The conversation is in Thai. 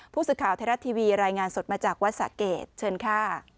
ผู้สื่อข่าวไทยรัฐทีวีรายงานสดมาจากวัดสะเกดเชิญค่ะ